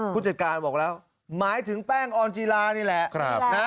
ผู้จัดการบอกแล้วหมายถึงแป้งออนจีลานี่แหละ